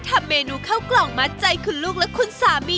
ทำเมนูข้าวกล่องมัดใจคุณลูกและคุณสามี